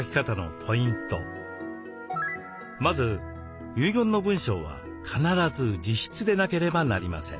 まず遺言の文章は必ず自筆でなければなりません。